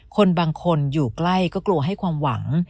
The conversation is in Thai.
คนบางคนอยู่ใกล้ก็กลัวให้ความหวัง